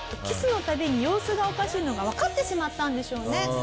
キスのたびに様子がおかしいのがわかってしまったんでしょうね。